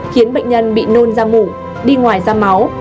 khiến bệnh nhân bị nôn ra mũ đi ngoài ra máu